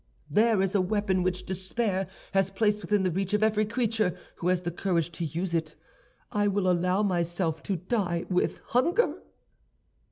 "'There is a weapon which despair has placed within the reach of every creature who has the courage to use it. I will allow myself to die with hunger.